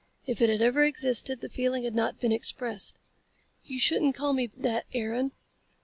If it had ever existed, the feeling had not been expressed. "You shouldn't call me that, Aaron."